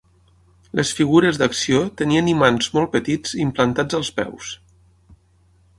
Les figures d'acció tenien imants molt petits implantats els peus.